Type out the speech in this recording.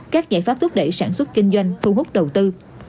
các giải pháp thúc đẩy sản xuất kinh doanh thu hút đầu tư